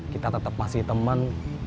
kita tetap masih temen